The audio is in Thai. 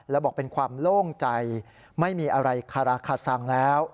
แล้วบอกเป็นความโล่งใจไม่มีอะไรคาราคาซังแล้ว